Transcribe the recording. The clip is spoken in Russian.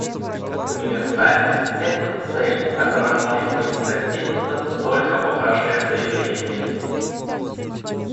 Универсальность — это цель, которая может быть достигнута только по прошествии времени.